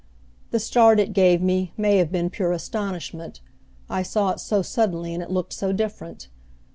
The start it gave me may have been pure astonishment, I saw it so suddenly and it looked so different.